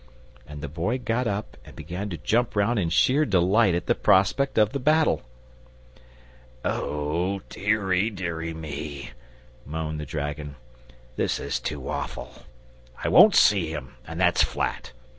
And the Boy got up and began to jump round in sheer delight at the prospect of the battle. "O deary, deary me," moaned the dragon; "this is too awful. I won't see him, and that's flat.